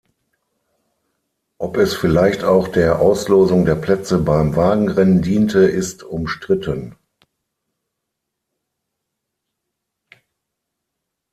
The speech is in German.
Ob es vielleicht auch der Auslosung der Plätze beim Wagenrennen diente ist umstritten.